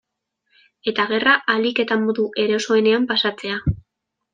Eta gerra ahalik eta modu erosoenean pasatzea.